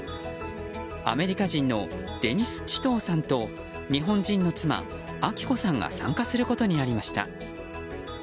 アメリカ人のデニス・チトーさんと日本人の妻・章子さんが参加することになりました。